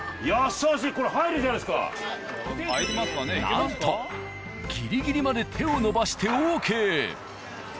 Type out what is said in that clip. なんとギリギリまで手を伸ばしてＯＫ。